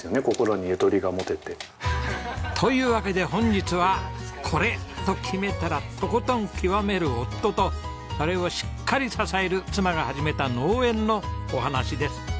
心にゆとりが持てて。というわけで本日はこれ！と決めたらとことん極める夫とそれをしっかり支える妻が始めた農園のお話です。